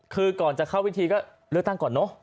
คือก่อนจะเข้าพิธีก็เลือกตั้งก่อนเนอะ